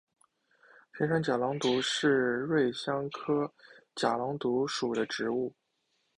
天山假狼毒是瑞香科假狼毒属的植物。